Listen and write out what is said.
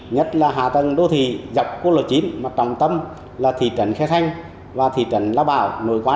nhất là hạ tầng đô thị dọc quốc lộ chín mà trọng tâm là thị trấn khe xanh và thị trấn lá bảo